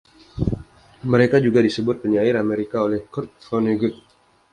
Mereka juga disebut "Penyair Amerika" oleh Kurt Vonnegut.